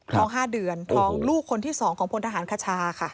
ท้อง๕เดือนท้องลูกคนที่๒ของพลทหารคชาค่ะ